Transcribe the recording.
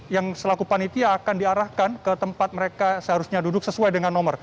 yang selaku panitia akan diarahkan ke tempat mereka seharusnya duduk sesuai dengan nomor